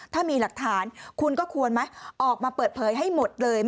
ถ้ามีหลักฐานคุณก็ควรไหมออกมาเปิดเผยให้หมดเลย